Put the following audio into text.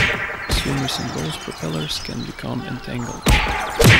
Swimmers and boat propellors can become entangled.